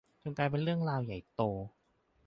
จนกลายเป็นเรื่องราวใหญ่โต